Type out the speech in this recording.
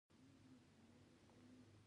احمد؛ علي په نېښ وواهه.